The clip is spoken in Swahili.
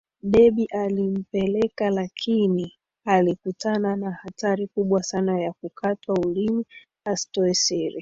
Debby alimpeleka lakini alikutana na hatari kubwa sana ya kukatwa ulimi asitoe siri